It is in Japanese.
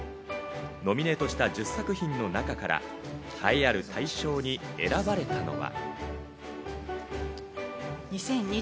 ノミネートした１０作品の中から栄えある大賞に選ばれたのは。